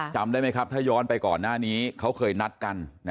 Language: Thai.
จำได้ไหมครับถ้าย้อนไปก่อนหน้านี้เขาเคยนัดกัน